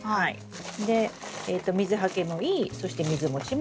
で水はけもいいそして水もちもいい。